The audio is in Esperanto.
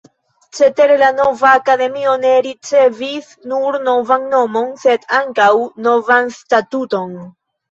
Cetere la nova Akademio ne ricevis nur novan nomon, sed ankaŭ novan statuton.